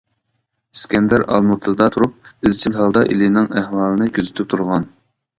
ئىسكەندەر ئالمۇتىدا تۇرۇپ، ئىزچىل ھالدا ئىلىنىڭ ئەھۋالىنى كۆزىتىپ تۇرغان.